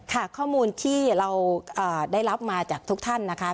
ค่ะข้อมูลที่เราได้รับมาจากทุกท่านนะคะ